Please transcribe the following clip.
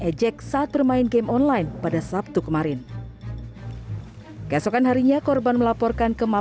untuk sebagai pemain pemain bola